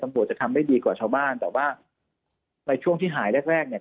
ตำรวจจะทำได้ดีกว่าชาวบ้านแต่ว่าในช่วงที่หายแรกเนี่ย